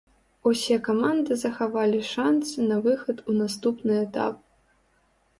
Усе каманды захавалі шанцы на выхад у наступны этап.